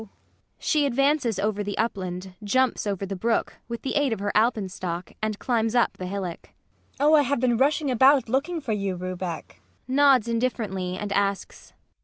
[She advances over the upland, jumps over the brook, with the aid of her alpenstock, and climbs up the hillock. MAIA. [Panting.] Oh, how I have been rushing around looking for you, Rubek. PROFESSOR RUBEK. [Nods indifferently and asks.